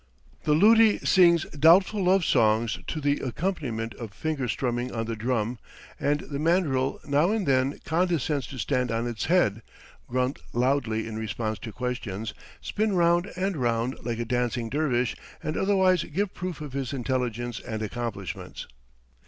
The luti sings doubtful love songs to the accompaniment of finger strumming on the drum, and the mandril now and then condescends to stand on its head, grunt loudly in response to questions, spin round and round like a dancing dervish, and otherwise give proof of his intelligence and accomplishments.